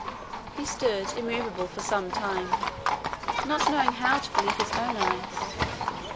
He stood immovable for some time, not knowing how to believe his own eyes.